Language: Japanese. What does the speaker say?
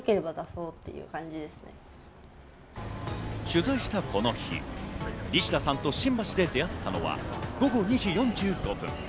取材したこの日、ニシダさんと新橋で出会ったのは午後２時４５分。